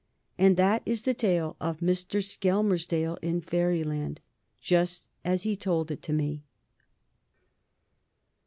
And that is the tale of Mr. Skelmersdale in Fairyland just as he told it to me.